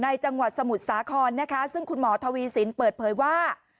จังหวัดสมุทรสาครนะคะซึ่งคุณหมอทวีสินเปิดเผยว่า